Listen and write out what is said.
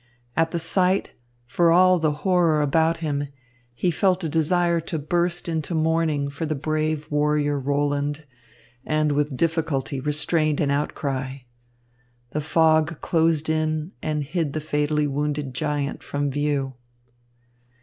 At the sight, for all the horror about him, he felt a desire to burst into mourning for the brave warrior Roland, and with difficulty restrained an outcry. The fog closed in and hid the fatally wounded giant from view.